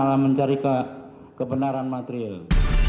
alam mencarika kebenaran material